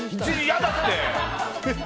嫌だって！